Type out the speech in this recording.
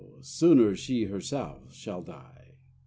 sooner she herself shall die.